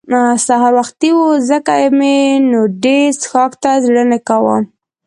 سهار وختي وو ځکه مې نو ډېر څښاک ته زړه نه کاوه.